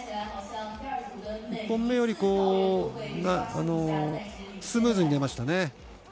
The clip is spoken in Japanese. １本目よりスムーズに出ましたね。